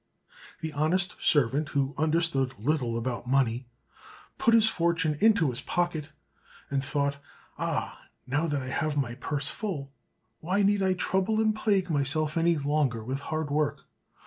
The honest servant, who understood little about money, put his fortune into his pocket, and thought, "Ah! now that I have my purse full, why need I trouble and plague myself any longer with hard work!"